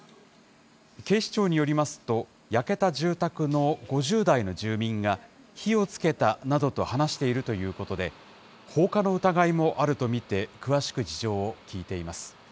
警視庁によりますと、焼けた住宅の５０代の住民が火をつけたなどと話しているということで、放火の疑いもあると見て、詳しく事情を聴いています。